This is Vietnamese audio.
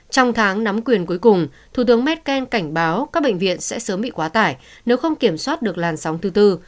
trong tháng nắm quyền cuối cùng thủ tướng merkel cảnh báo các bệnh viện sẽ sớm bị quá tải nếu không kiểm soát được làn sóng thứ tư